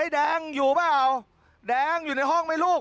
ดังอยู่หรือเปล่าดังอยู่ในห้องไม่ลูก